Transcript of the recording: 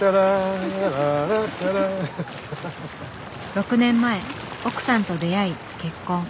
６年前奥さんと出会い結婚。